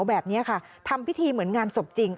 แบบนี้ค่ะทำพิธีเหมือนงานศพจริง